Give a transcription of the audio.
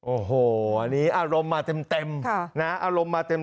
โอ้โหอันนี้อารมณ์มาเต็ม